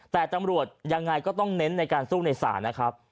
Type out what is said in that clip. แต่ตำรวจยังไงก็ต้องเน้นในการสู้ในศาลนะครับ